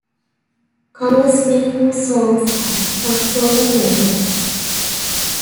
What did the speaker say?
Covers many Who songs and some solo material.